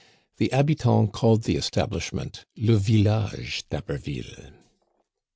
The habitants called the establishment "le village d'Haberville.